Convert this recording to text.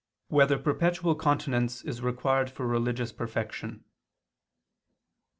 4] Whether Perpetual Continence Is Required for Religious Perfection?